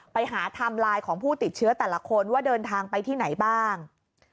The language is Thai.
ไทม์ไลน์ของผู้ติดเชื้อแต่ละคนว่าเดินทางไปที่ไหนบ้าง